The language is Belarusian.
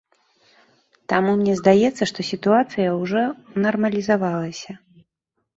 Таму мне здаецца, што сітуацыя ўжо нармалізавалася.